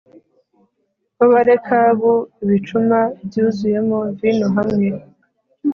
w Abarekabu ibicuma byuzuyemo vino hamwe